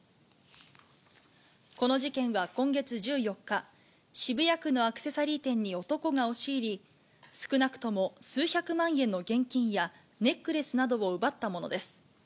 この事件は今月１４日、渋谷区のアクセサリー店に男が押し入り、少なくとも数百万円の現金やネックレスなどを奪ったものです。